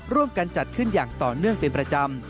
ร่วมกันจัดขึ้นอย่างต่อเนื่องเป็นประจำ